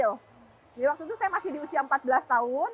jadi waktu itu saya masih di usia empat belas tahun